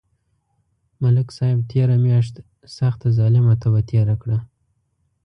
ملک صاحب تېره میاشت سخته ظلمه تبه تېره کړه.